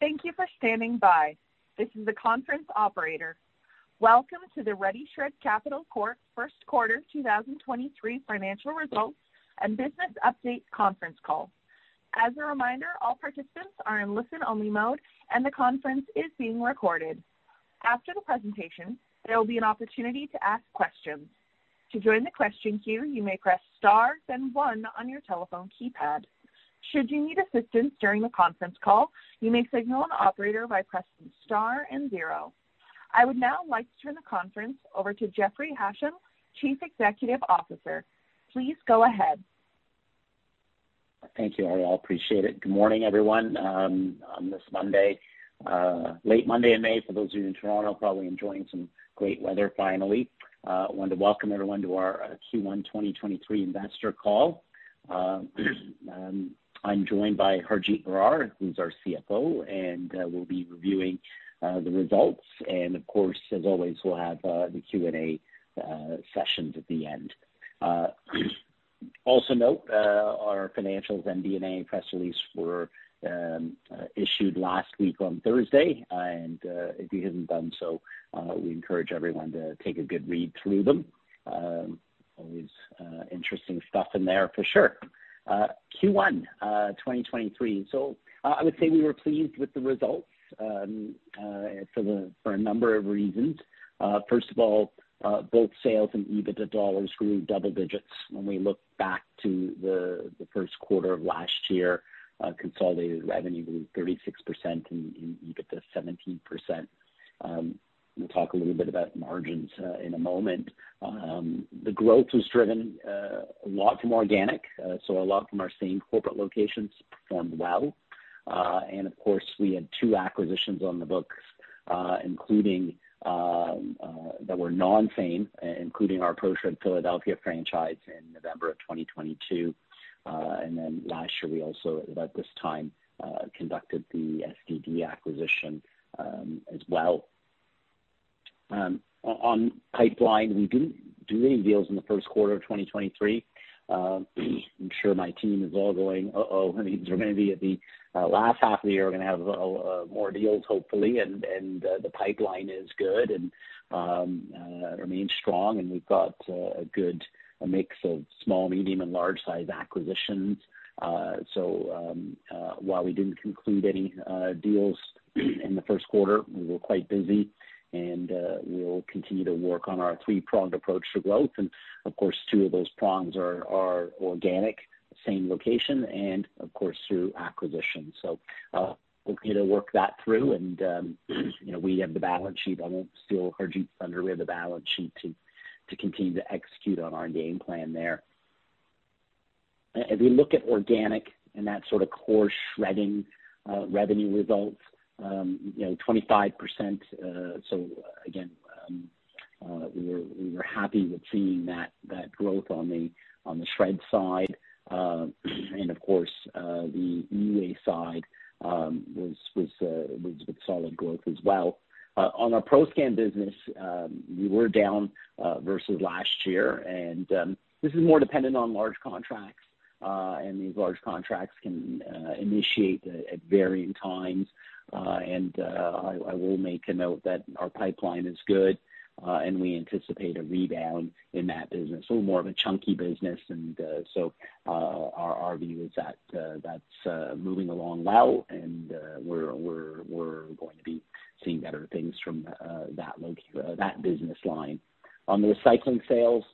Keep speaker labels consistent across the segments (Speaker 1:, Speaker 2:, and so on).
Speaker 1: Thank you for standing by. This is the conference operator. Welcome to the RediShred Capital Corp Q1 2023 Financial Results and Business Update Conference Call. As a reminder, all participants are in listen-only mode, and the conference is being recorded. After the presentation, there will be an opportunity to ask questions. To join the question queue, you may press star then 1 on your telephone keypad. Should you need assistance during the conference call, you may signal an operator by pressing star and zero. I would now like to turn the conference over to Jeffrey Hasham, CEO. Please go ahead.
Speaker 2: Thank you, I appreciate it. Good morning, everyone, on this Monday, late Monday in May. For those of you in Toronto, probably enjoying some great weather finally. I want to welcome everyone to our Q1 2023 investor call. I'm joined by Harjit Brar, who's our CFO, and we'll be reviewing the results. Of course, as always, we'll have the Q&A session at the end. Also note, our financials and MD&A press release were issued last week on Thursday, and if you haven't done so, we encourage everyone to take a good read through them. Always interesting stuff in there for sure. Q1 2023. I would say we were pleased with the results for a number of reasons. First of all, both sales and EBITDA dollars grew double digits. When we look back to the Q1 of last year, consolidated revenue grew 36% and EBITDA 17%. We'll talk a little bit about margins in a moment. The growth was driven a lot from organic, a lot from our same corporate locations performed well. Of course, we had two acquisitions on the books, including that were non-same, including our ProShred Philadelphia franchise in November of 2022. Then last year, we also, at this time, conducted the SDD acquisition as well. On pipeline, we didn't do any deals in the Q1 of 2023. I'm sure my team is all going, "Uh-oh, I mean, they're going to be at the last half of the year. We're going to have more deals hopefully." The pipeline is good and remains strong. We've got a good mix of small, medium, and large-size acquisitions. While we didn't conclude any deals in the Q1, we were quite busy, and we'll continue to work on our three-pronged approach to growth. Of course, two of those prongs are organic, same location, and of course, through acquisition. We'll continue to work that through and, you know, we have the balance sheet. I won't steal Harjit's thunder. We have the balance sheet to continue to execute on our game plan there. As we look at organic and that sort of core shredding, you know, revenue results, 25%. Again, we were happy with seeing that growth on the shred side. Of course, the UA side was with solid growth as well. On our PROSCAN business, we were down versus last year, this is more dependent on large contracts. These large contracts can initiate at varying times. I will make a note that our pipeline is good, we anticipate a rebound in that business. More of a chunky business, and our view is that that's moving along well, and we're going to be seeing better things from that business line. On the recycling sales,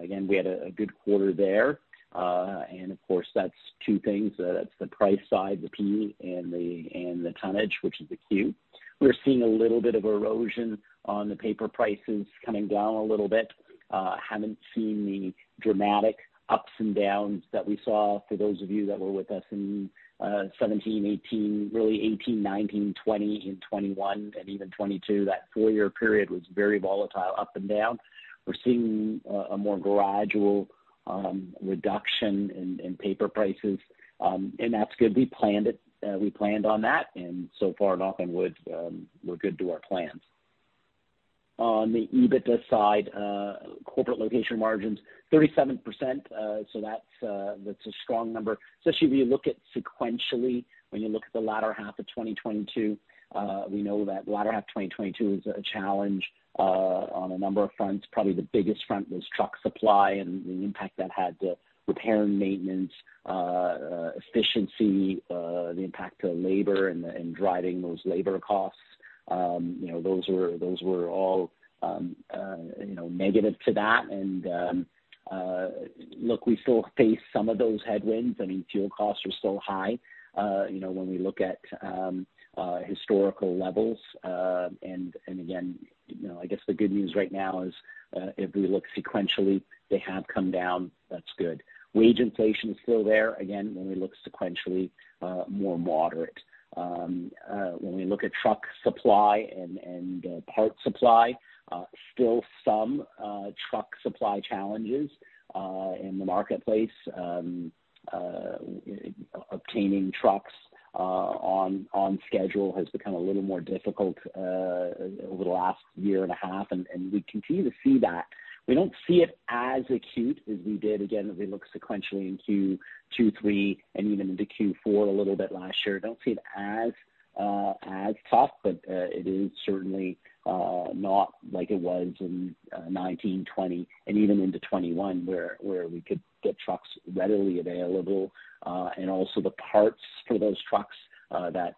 Speaker 2: again, we had a good quarter there. Of course, that's 2 things. That's the price side, the P, and the tonnage, which is the Q. We're seeing a little bit of erosion on the paper prices coming down a little bit. Haven't seen the dramatic ups and downs that we saw for those of you that were with us in 2017, 2018, really 2018, 2019, 2020 and 2021, and even 2022. That 4-year period was very volatile, up and down. We're seeing a more gradual reduction in paper prices, and that's good. We planned it. We planned on that, so far, knock on wood, we're good to our plans. On the EBITDA side, corporate location margins, 37%. That's a strong number, especially when you look at sequentially, when you look at the latter half of 2022. We know that the latter half of 2022 is a challenge on a number of fronts. Probably the biggest front was truck supply and the impact that had to repair and maintenance, efficiency, the impact to labor and driving those labor costs. You know, those were, those were all, you know, negative to that. Look, we still face some of those headwinds. I mean, fuel costs are still high. You know, when we look at historical levels. Again, the good news right now is, if we look sequentially, they have come down. That's good. Wage inflation is still there. Again, when we look sequentially, more moderate. When we look at truck supply and part supply, still some truck supply challenges in the marketplace. Obtaining trucks on schedule has become a little more difficult over the last year and a half, and we continue to see that. We don't see it as acute as we did, again, if we look sequentially in Q2 2023 and even into Q4 a little bit last year. Don't see it as tough, but it is certainly not like it was in 2019, 2020 and even into 2021, where we could get trucks readily available. Also the parts for those trucks that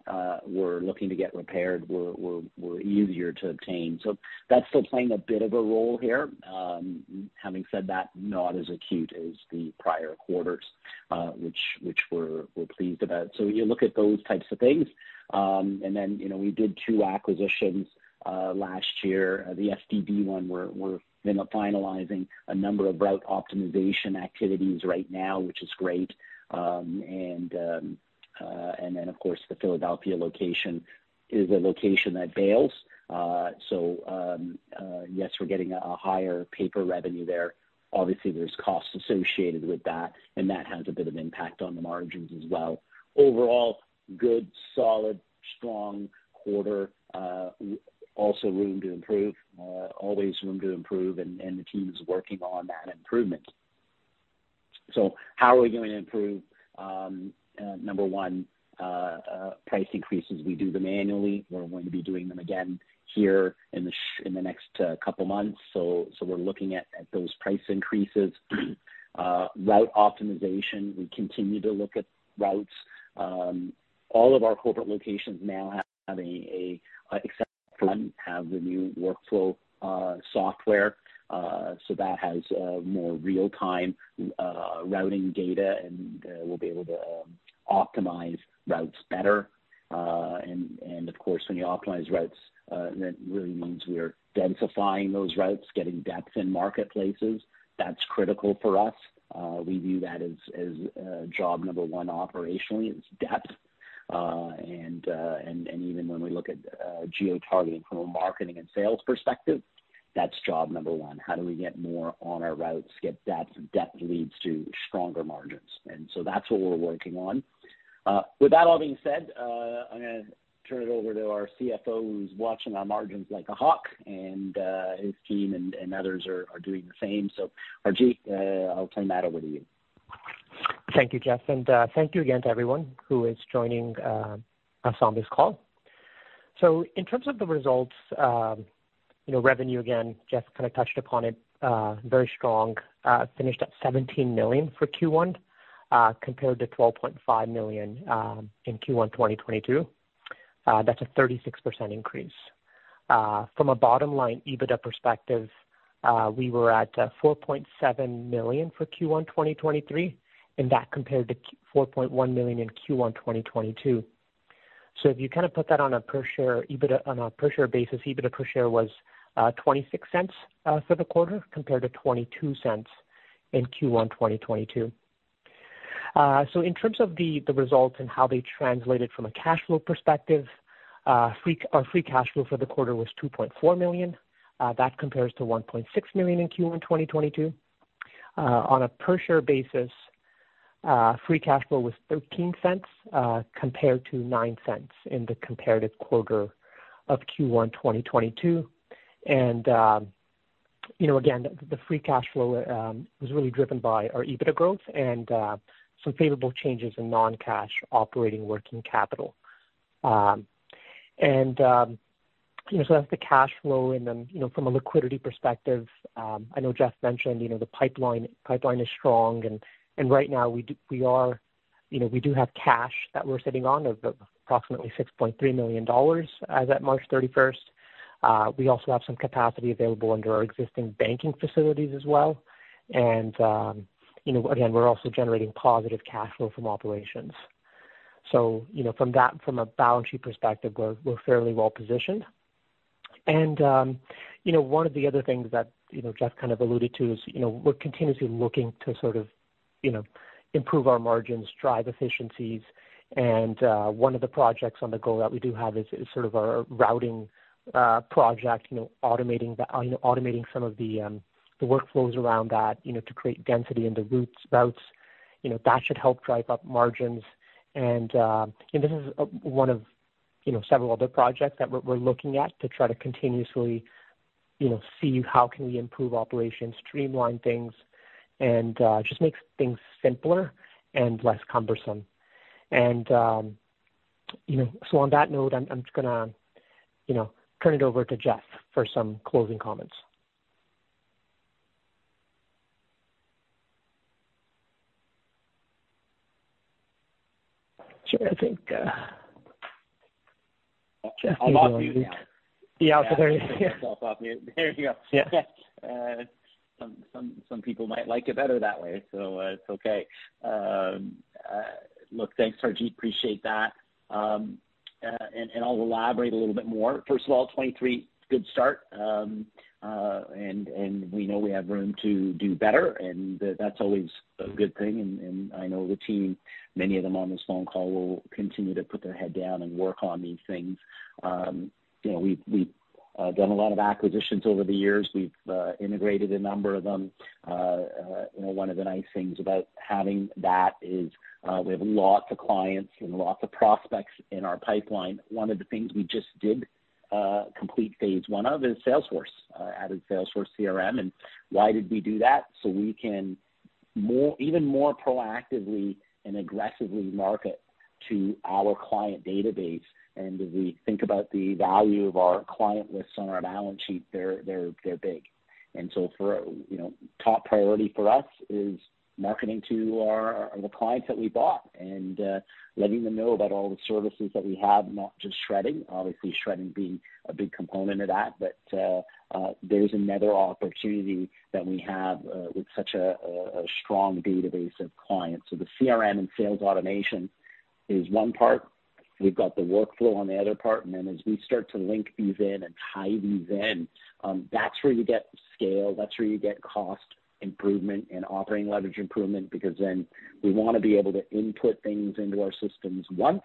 Speaker 2: we're looking to get repaired were easier to obtain. That's still playing a bit of a role here. Having said that, not as acute as the prior quarters, which we're pleased about. You look at those types of things. Then, you know, we did two acquisitions last year. The FDB one, we're finalizing a number of route optimization activities right now, which is great. Then, of course, the Philadelphia location is a location that bails. Yes, we're getting a higher paper revenue there. Obviously, there's costs associated with that, and that has a bit of impact on the margins as well. Overall, good, solid, strong quarter, also room to improve, always room to improve, and the team is working on that improvement. How are we going to improve? Number one, price increases. We do them annually. We're going to be doing them again here in the next couple months. We're looking at those price increases. Route optimization, we continue to look at routes. All of our corporate locations now have, except one, have the new workflow software. That has more real-time routing data, and we'll be able to optimize routes better. And of course, when you optimize routes, that really means we're densifying those routes, getting depth in marketplaces. That's critical for us. We view that as job number one operationally, is depth. Even when we look at geo-targeting from a marketing and sales perspective, that's job number one. How do we get more on our routes, get depth? Depth leads to stronger margins. That's what we're working on. With that all being said, I'm going to turn it over to our CFO, who's watching our margins like a hawk, and his team and others are doing the same. Harjit, I'll turn that over to you.
Speaker 3: Thank you, Jeff, and thank you again to everyone who is joining us on this call. In terms of the results, revenue, again, Jeff kind of touched upon it, very strong, finished at $17 million for Q1, compared to $12.5 million in Q12022. That's a 36% increase. From a bottom line EBITDA perspective, we were at $4.7 million for Q12023, and that compared to $4.1 million in Q12022. If you kind of put that on a per-share EBITDA, on a per-share basis, EBITDA per share was $0.26 for the quarter, compared to $0.22 in Q12022. In terms of the results and how they translated from a cash flow perspective, free, our free cash flow for the quarter was Can$ 2.4 million. That compares to Can$ 1.6 million in Q1 2022. On a per share basis, free cash flow was Can$ 0.13, compared to Can$ 0.09 in the comparative quarter of Q1 2022. The free cash flow was really driven by our EBITDA growth and some favorable changes in non-cash operating working capital. That's the cash flow. Then, from a liquidity perspective, I know Jeff mentioned the pipeline is strong, and right now, we do have cash that we're sitting on of approximately Can$ 6.3 million as at March 31st. We also have some capacity available under our existing banking facilities as well. We're also generating positive cash flow from operations. From a balance sheet perspective, we're fairly well positioned. One of the other things that, Jeff kind of alluded to it we're continuously looking to sort of, mprove our margins, drive efficiencies. One of the projects on the go that we do have is sort of our routing project, automating the, automating some of the workflows around that, to create density in the routes. That should help drive up margins. This is one the several other projects that we're looking at to try to continuously, see how can we improve operations, streamline things, and just make things simpler and less cumbersome. On that note, I'm just going to, turn it over to Jeff for some closing comments. Sure. I think, Jeff.
Speaker 2: I'll walk you now. Yeah, there you go. Yeah. Some people might like it better that way, so it's okay. Look, thanks, Harjit, appreciate that. I'll elaborate a little bit more. First of all, 23, good start. We know we have room to do better, and that's always a good thing. I know the team, many of them on this phone call, will continue to put their head down and work on these things. We've done a lot of acquisitions over the years. We've integrated a number of them. One of the nice things about having that is we have lots of clients and lots of prospects in our pipeline. One of the things we just did complete phase one of is Salesforce, added Salesforce CRM. Why did we do that? So we can more, even more proactively and aggressively market to our client database. As we think about the value of our client lists on our balance sheet, they're big. For top priority for us is marketing to our, the clients that we bought, and letting them know about all the services that we have, not just shredding. Obviously, shredding being a big component of that, but there's another opportunity that we have with such a strong database of clients. The CRM and sales automation is one part. We've got the workflow on the other part. Then as we start to link these in and tie these in, that's where you get scale, that's where you get cost improvement and operating leverage improvement. Then we wanna be able to input things into our systems once,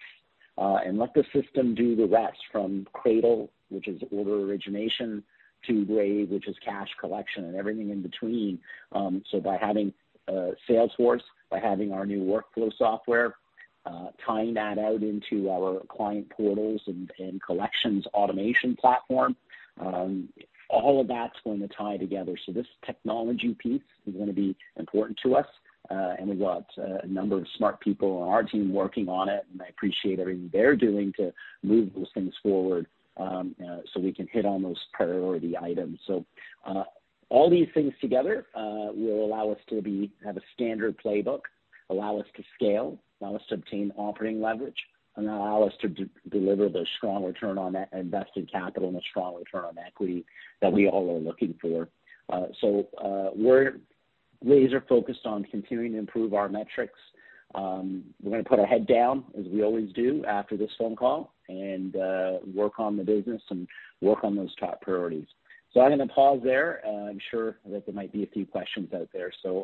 Speaker 2: and let the system do the rest from cradle, which is order origination, to grave, which is cash collection and everything in between. By having Salesforce, by having our new workflow software, tying that out into our client portals and collections automation platform, all of that's going to tie together. This technology piece is going to be important to us, and we've got a number of smart people on our team working on it, and I appreciate everything they're doing to move those things forward, we can hit on those priority items. All these things together will allow us to be, have a standard playbook, allow us to scale, allow us to obtain operating leverage, and allow us to deliver the strong return on that invested capital and a strong return on equity that we all are looking for. We're laser focused on continuing to improve our metrics. We're going to put our head down, as we always do, after this phone call, and work on the business and work on those top priorities. I'm going to pause there. I'm sure that there might be a few questions out there. Ariel,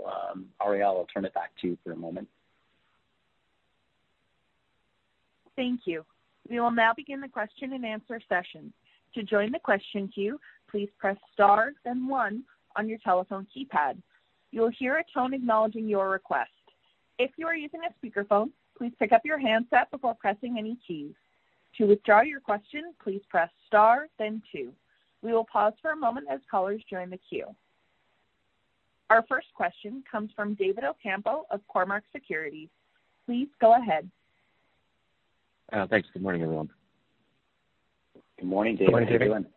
Speaker 2: I'll turn it back to you for a moment.
Speaker 1: Thank you. We will now begin the question and answer session. To join the question queue, please press star then 1 on your telephone keypad. You will hear a tone acknowledging your request. If you are using a speakerphone, please pick up your handset before pressing any keys. To withdraw your question, please press star then 2. We will pause for a moment as callers join the queue. Our first question comes from David Ocampo of Cormark Securities. Please go ahead.
Speaker 4: Thanks. Good morning, everyone.
Speaker 2: Good morning, David.
Speaker 1: Good morning.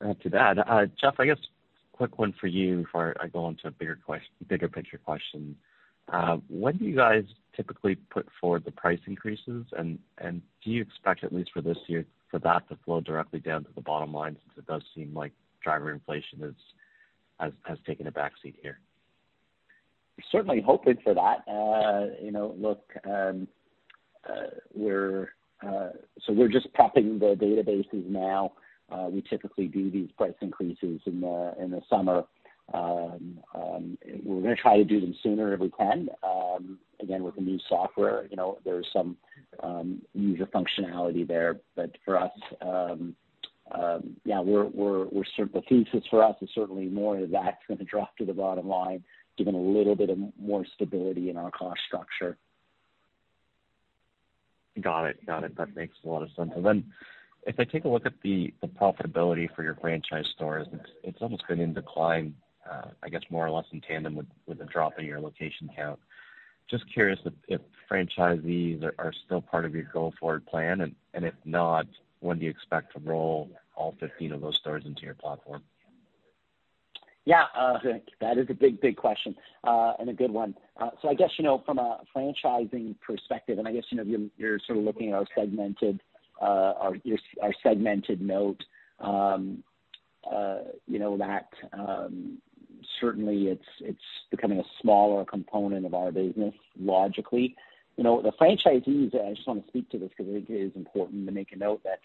Speaker 4: Not too bad. Jeff, I guess quick one for you before I go on to a bigger picture question. When do you guys typically put forward the price increases? Do you expect, at least for this year, for that to flow directly down to the bottom line? Since it does seem like driver inflation is, has taken a backseat here.
Speaker 2: Certainly hoping for that. We're just prepping the databases now. We typically do these price increases in the summer. We're going to try to do them sooner if we can. Again, with the new software, there's some user functionality there. For us, yeah, we're the thesis for us is certainly more of that's going to drop to the bottom line, giving a little bit of more stability in our cost structure.
Speaker 4: Got it. Got it. That makes a lot of sense. If I take a look at the profitability for your franchise stores, it's almost been in decline, I guess more or less in tandem with the drop in your location count. Just curious if franchisees are still part of your go-forward plan, and if not, when do you expect to roll all 15 of those stores into your platform?
Speaker 2: Yeah, that is a big, big question and a good one. From a franchising perspective, and I guess, you're sort of looking at our segmented note, certainly it's becoming a smaller component of our business, logically. The franchisees, I just want to speak to this because I think it is important to make a note that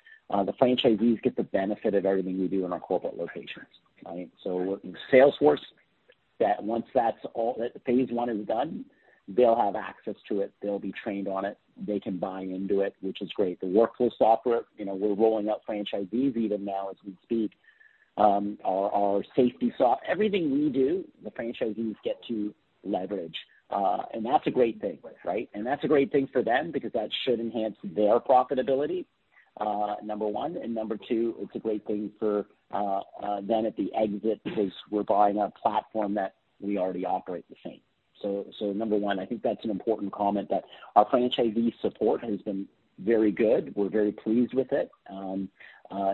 Speaker 2: the franchisees get the benefit of everything we do in our corporate locations, right? Salesforce, that once that's all, phase one is done, they'll have access to it, they'll be trained on it, they can buy into it, which is great. The workflow software, we're rolling out franchisees even now as we speak. Our safety everything we do, the franchisees get to leverage, and that's a great thing, right? That's a great thing for them because that should enhance their profitability, number one, and number two, it's a great thing for them at the exit because we're buying a platform that we already operate the same. Number one, I think that's an important comment, that our franchisee support has been very good. We're very pleased with it.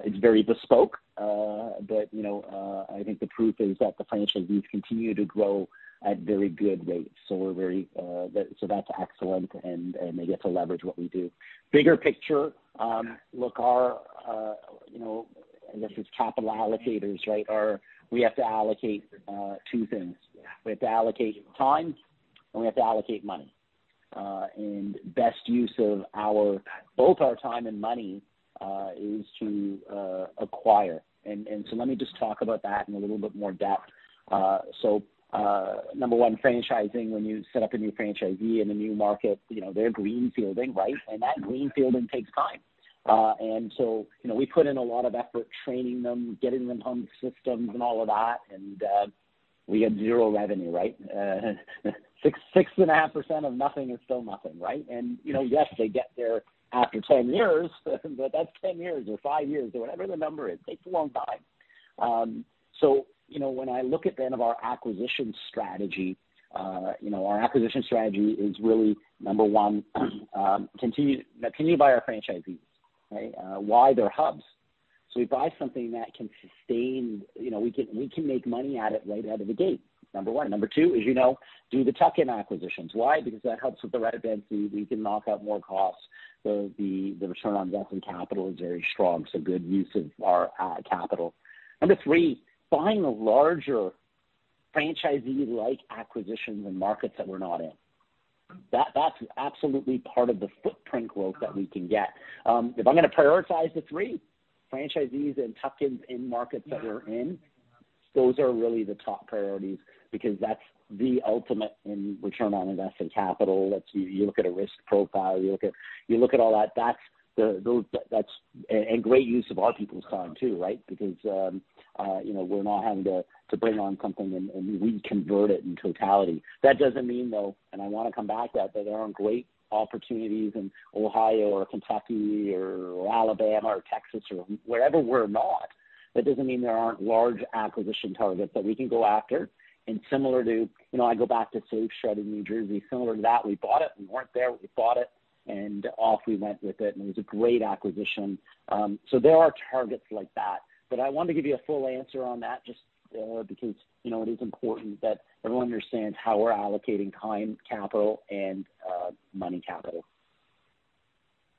Speaker 2: It's very bespoke, but, you know, I think the proof is that the financial leads continue to grow at very good rates, so we're very, that, so that's excellent. They get to leverage what we do. Bigger picture, look, our, you know, I guess it's capital allocators, right? We have to allocate two things. We have to allocate time, and we have to allocate money. Best use of our, both our time and money, is to acquire. Let me just talk about that in a little bit more depth. Number one, franchising, when you set up a new franchisee in a new market, you know, they're greenfielding, right? That greenfielding takes time. So, you know, we put in a lot of effort training them, getting them on the systems and all of that, and we have zero revenue, right? 6.5% of nothing is still nothing, right? You know, yes, they get there after 10 years, but that's 10 years or five years, or whatever the number is, takes a long time. You know, when I look at then of our acquisition strategy, you know, our acquisition strategy is really, number one, continue to buy our franchisees, right? Why? They're hubs. We buy something that can, you know, we can make money at it right out of the gate, number one. Number two is, you know, do the tuck-in acquisitions. Why? Because that helps with the redundancy. We can knock out more costs. The return on investment capital is very strong, so good use of our capital. Number three, buying a larger franchisee-like acquisitions in markets that we're not in. That's absolutely part of the footprint growth that we can get. If I'm going to prioritize the three, franchisees and tuck-ins in markets that we're in, those are really the top priorities, because that's the ultimate in return on investment capital. That's you look at a risk profile, you look at all that's the, those, that's. And great use of our people's time, too, right? Because, you know, we're not having to bring on something and re-convert it in totality. That doesn't mean, though, and I wanna come back that there aren't great opportunities in Ohio or Kentucky or Alabama or Texas or wherever we're not. That doesn't mean there aren't large acquisition targets that we can go after. Similar to, you know, I go back to Safe Shredding in New Jersey, similar to that, we bought it. We weren't there, we bought it, and off we went with it, and it was a great acquisition. There are targets like that. I wanted to give you a full answer on that, just because, it is important that everyone understands how we're allocating time, capital, and money capital.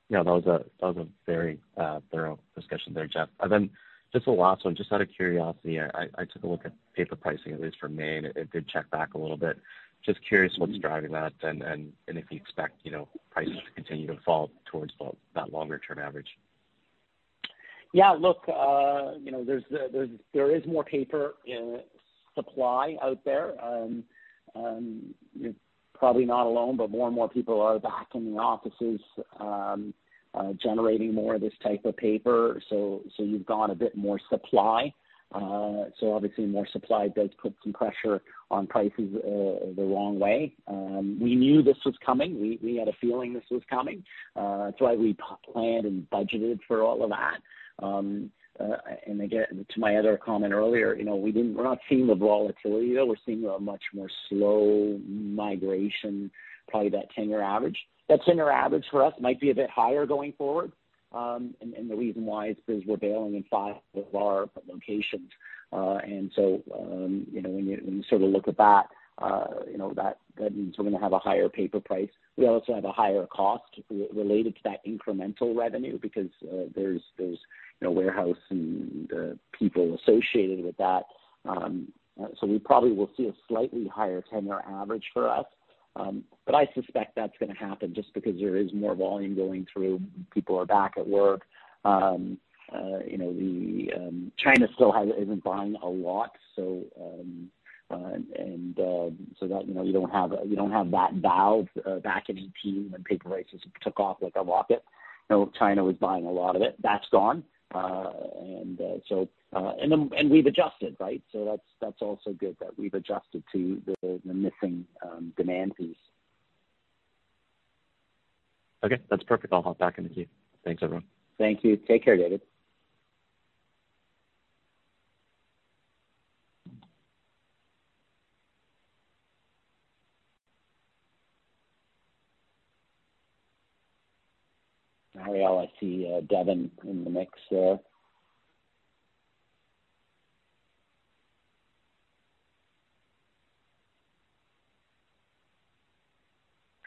Speaker 4: Yeah, that was a very thorough discussion there, Jeff. Just a last one, just out of curiosity, I took a look at paper pricing, at least for Maine. It did check back a little bit. Just curious what's driving that, and if you expect prices to continue to fall towards that longer term average?
Speaker 2: Yeah, look, you know, there is more paper in supply out there. You're probably not alone, but more and more people are back in the offices, generating more of this type of paper. You've got a bit more supply. Obviously, more supply does put some pressure on prices the wrong way. We knew this was coming. We had a feeling this was coming. That's why we planned and budgeted for all of that. Again, to my other comment earlier, you know, we're not seeing the volatility, though. We're seeing a much more slow migration, probably that 10-year average. That 10-year average for us might be a bit higher going forward. The reason why is because we're bailing in five of our locations. You know, when you, when you sort of look at that, you know, that means we're going to have a higher paper price. We also have a higher cost related to that incremental revenue because there's, you know, warehouse and the people associated with that. We probably will see a slightly higher 10-year average for us. I suspect that's going to happen just because there is more volume going through. People are back at work. You know, we, China still isn't buying a lot, that, you know, you don't have that valve back in 2018, when paper prices took off like a rocket. You know, China was buying a lot of it. That's gone. We've adjusted, right? That's also good that we've adjusted to the missing demand piece.
Speaker 4: Okay, that's perfect. I'll hop back in the queue. Thanks, everyone.
Speaker 2: Thank you. Take care, David. Arielle, I see Devin in the mix.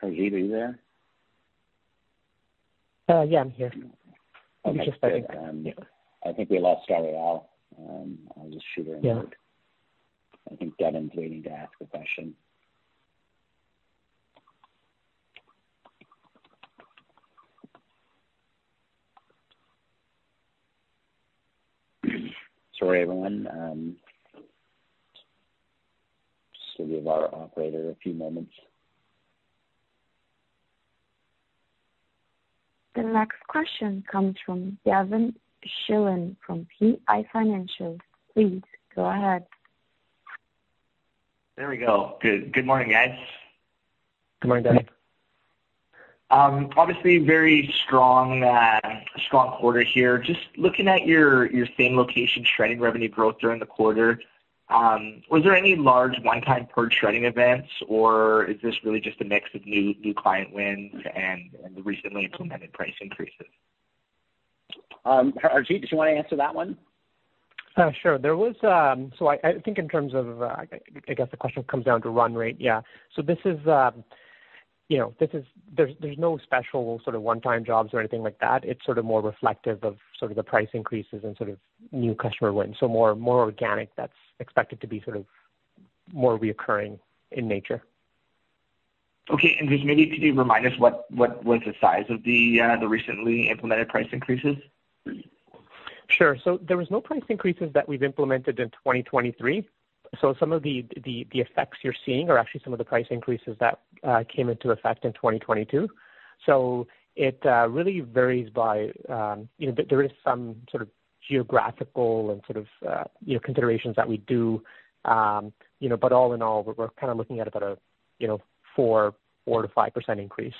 Speaker 2: Hi, Keith, are you there?
Speaker 1: Yeah, I'm here.
Speaker 2: Okay, I think we lost Arielle. I'll just shoot her an email.
Speaker 1: Yeah.
Speaker 2: I think Devin's waiting to ask a question. Sorry, everyone, just give our operator a few moments.
Speaker 1: The next question comes from Devin Schilling from PI Financial. Please go ahead.
Speaker 5: There we go. Good morning, guys.
Speaker 2: Good morning, Devin.
Speaker 5: Obviously very strong quarter here. Just looking at your same location, shredding revenue growth during the quarter. Was there any large one-time purge shredding events, or is this really just a mix of new client wins and the recently implemented price increases?
Speaker 2: Harjit, did you want to answer that one?
Speaker 3: Sure. There was, I think in terms of, I guess the question comes down to run rate. Yeah. This is, you know, this is there's no special sort of one-time jobs or anything like that. It's sort of more reflective of sort of the price increases and sort of new customer wins. More organic that's expected to be sort of more reoccurring in nature.
Speaker 5: Okay. Just maybe could you remind us what was the size of the recently implemented price increases?
Speaker 3: Sure. There was no price increases that we've implemented in 2023. Some of the effects you're seeing are actually some of the price increases that came into effect in 2022. It really varies by, you know, there is some sort of geographical and sort of, you know, considerations that we do. You know, but all in all, we're kind of looking at about a, you know, 4% to 5% increase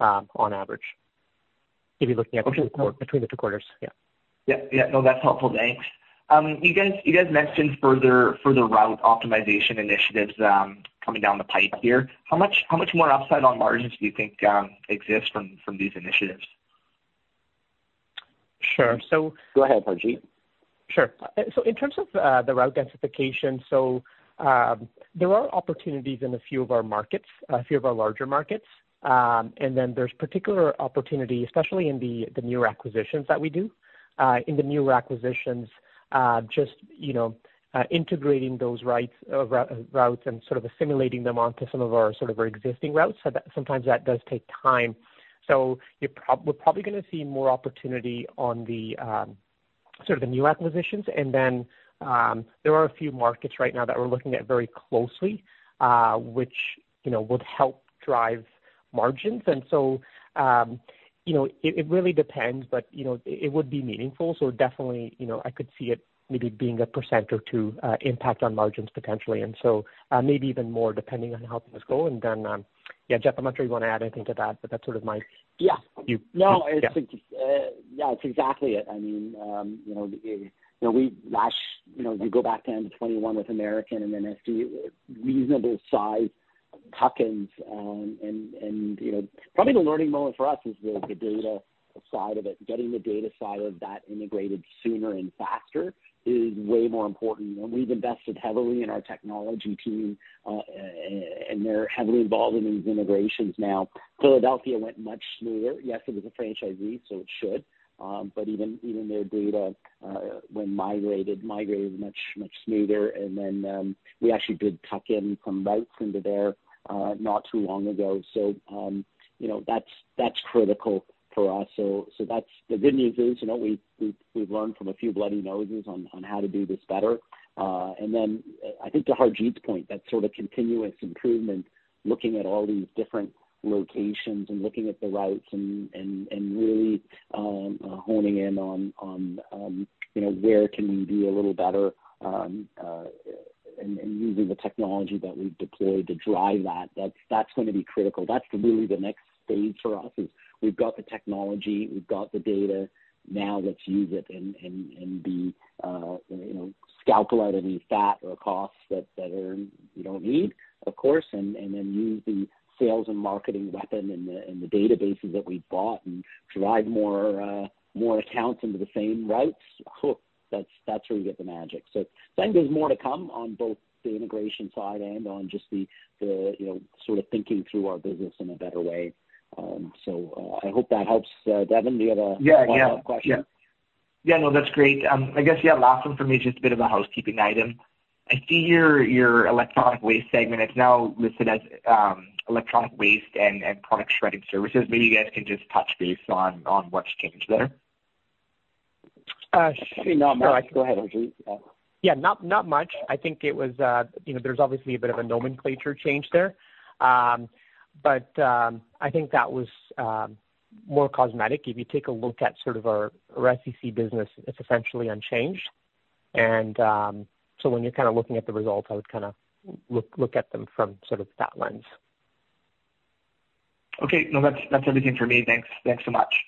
Speaker 3: on average. If you're looking at between the 2 quarters. Yeah.
Speaker 5: Yeah. Yeah. No, that's helpful. Thanks. You guys mentioned further route optimization initiatives coming down the pipe here. How much more upside on margins do you think exist from these initiatives?
Speaker 3: Sure.
Speaker 2: Go ahead, Harjit.
Speaker 3: Sure. In terms of the route densification, so there are opportunities in a few of our markets, a few of our larger markets. There's particular opportunity, especially in the newer acquisitions that we do. In the newer acquisitions, just, you know, integrating those rights, routes and sort of assimilating them onto some of our existing routes. So that sometimes that does take time. We're probably going to see more opportunity on the sort of the new acquisitions. There are a few markets right now that we're looking at very closely, which, you know, would help drive margins. You know, it really depends, but, you know, it would be meaningful. Definitely, you know, I could see it maybe being 1% or 2% impact on margins potentially. Maybe even more, depending on how things go. Yeah, Geoff, I'm not sure you want to add anything to that, but that's sort of my-
Speaker 2: Yeah.
Speaker 3: You-
Speaker 2: No, it's. Yeah, it's exactly it. I mean, you know, you know, we last, you know, you go back to end of 2021 with American, and then a few reasonable size tuck-ins. You know, probably the learning moment for us is the data side of it. Getting the data side of that integrated sooner and faster is way more important, and we've invested heavily in our technology team, and they're heavily involved in these integrations now. Philadelphia went much smoother. Yes, it was a franchisee, so it should. Even, even their data, when migrated much smoother. Then, we actually did tuck in some routes into there, not too long ago. You know, that's critical for us. That's the good news is, we've learned from a few bloody noses on how to do this better. I think to Harjit's point, that sort of continuous improvement, looking at all these different locations and looking at the routes and really honing in on, where can we do a little better, and using the technology that we've deployed to drive that's going to be critical. That's really the next stage for us, is we've got the technology, we've got the data. Now let's use it and be, scalpel out any fat or costs that we don't need, of course, and then use the sales and marketing weapon and the databases that we've bought and drive more accounts into the same routes. Oh, that's where you get the magic. I think there's more to come on both the integration side and on just the, sort of thinking through our business in a better way. I hope that helps. Devin, do you have a-
Speaker 5: Yeah, yeah.
Speaker 2: Follow-up question?
Speaker 5: Yeah. Yeah, no, that's great. I guess, yeah, last one for me, just a bit of a housekeeping item. I see your electronic waste segment is now listed as electronic waste and product shredding services. Maybe you guys can just touch base on what's changed there.
Speaker 3: sure-
Speaker 2: Not much. Go ahead, Harjit.
Speaker 3: Yeah, not much. I think it was, there's obviously a bit of a nomenclature change there. I think that was, more cosmetic. If you take a look at sort of our SEC business, it's essentially unchanged. When you're kind of looking at the results, I would kind of look at them from sort of that lens.
Speaker 5: Okay. No, that's everything for me. Thanks. Thanks so much.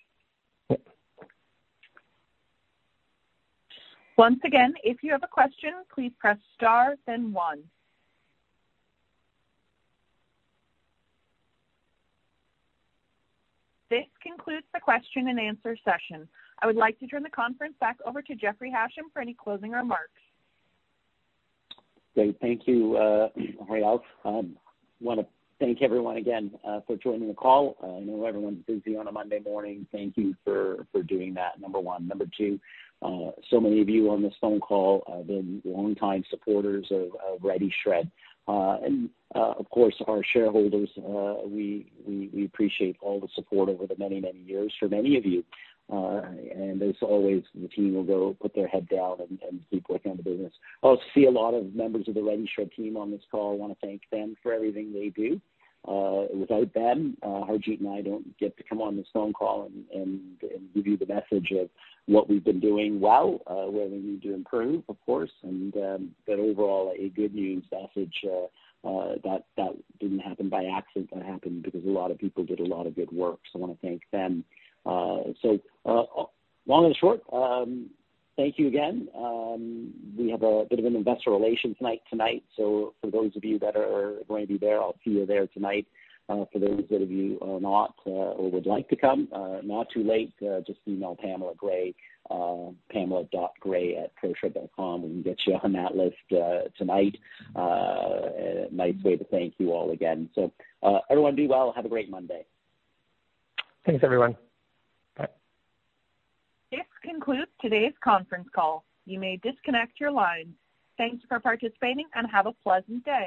Speaker 3: Yep.
Speaker 1: Once again, if you have a question, please press star then one. This concludes the question and answer session. I would like to turn the conference back over to Jeffrey Hasham for any closing remarks.
Speaker 2: Great. Thank you, everyone else. I wanna thank everyone again for joining the call. I know everyone's busy on a Monday morning. Thank you for doing that, number one. Number two, so many of you on this phone call been longtime supporters of RediShred. Of course, our shareholders, we appreciate all the support over the many, many years for many of you. As always, the team will go put their head down and keep working on the business. I also see a lot of members of the RediShred team on this call. I wanna thank them for everything they do. Without them, Harjit and I don't get to come on this phone call and give you the message of what we've been doing well, where we need to improve, of course, and overall, a good news message. That didn't happen by accident. That happened because a lot of people did a lot of good work, I wanna thank them. Long and short, thank you again. We have a bit of an investor relations night tonight, for those of you that are going to be there, I'll see you there tonight. For those of you who are not, or would like to come, not too late, just email Pamela Gray, pamela.gray@proshred.com, we'll get you on that list tonight. A nice way to thank you all again. Everyone, do well. Have a great Monday.
Speaker 3: Thanks, everyone. Bye.
Speaker 1: This concludes today's conference call. You may disconnect your line. Thanks for participating and have a pleasant day.